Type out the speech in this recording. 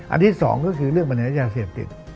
อันที่สองก็คือเรื่องปัญหาศาสติจ